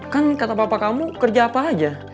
kan kata bapak kamu kerja apa aja